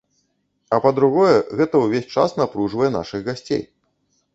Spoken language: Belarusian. А па-другое, гэта ўвесь час напружвае нашых гасцей.